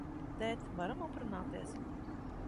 Tēt, varam aprunāties?